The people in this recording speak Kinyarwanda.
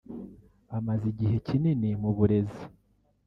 amaze igihe kinini mu burezi